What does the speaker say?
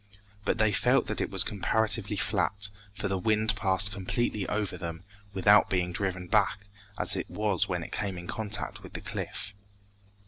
But they felt that it was comparatively flat, for the wind passed completely over them, without being driven back as it was when it came in contact with the cliff.